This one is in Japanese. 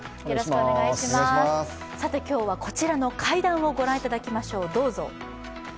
今日はこちらの階段をご覧いただきましょう。